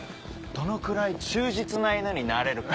どのくらい忠実な犬になれるか。